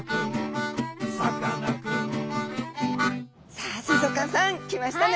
さあ水族館さん来ましたね。